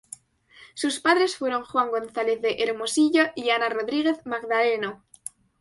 Sus padres fueron Juan González de Hermosillo y Ana Rodríguez Magdaleno.